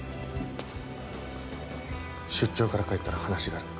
出張から帰ったら話がある。